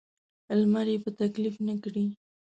لمر یې په تکلیف نه کړي.